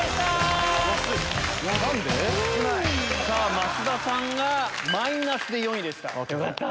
増田さんがマイナスで４位でした。